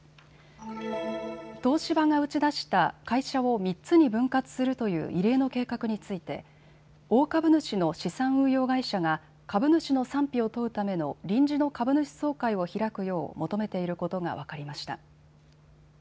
東芝が打ち出した会社を３つに分割するという異例の計画について大株主の資産運用会社が株主の賛否を問うための臨時の株主総会を開くよう求めていることが分かりました。